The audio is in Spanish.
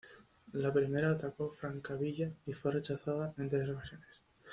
La primera atacó Francavilla y fue rechazada en tres ocasiones.